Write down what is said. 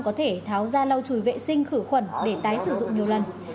có thể tháo ra lau chùi vệ sinh khử khuẩn để tái sử dụng nhiều lần